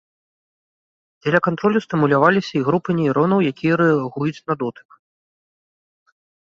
Дзеля кантролю стымуляваліся і групы нейронаў, якія рэагуюць на дотык.